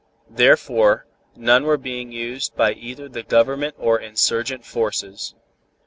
Therefore none were being used by either the Government or insurgent forces.